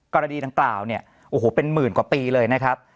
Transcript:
กรณีดังกล่าวเนี่ยโอ้โหเป็นหมื่นกว่าปีเลยนะครับ